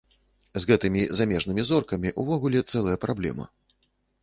З гэтымі замежнымі зоркамі ўвогуле цэлая праблема.